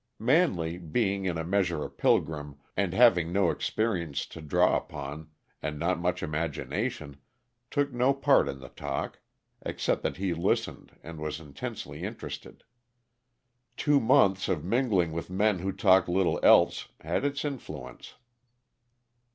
Manley, being in a measure a pilgrim, and having no experience to draw upon, and not much imagination, took no part in the talk, except that he listened and was intensely interested. Two months of mingling with men who talked little else had its influence.